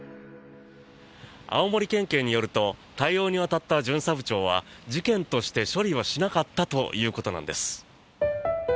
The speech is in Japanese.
青森県警によると対応に当たった巡査部長は事件として処理はしなかったということなんです。